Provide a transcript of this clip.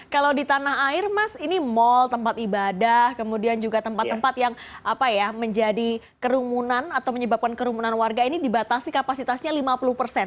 kalau di tanah air mas ini mal tempat ibadah kemudian juga tempat tempat yang menjadi kerumunan atau menyebabkan kerumunan warga ini dibatasi kapasitasnya lima puluh persen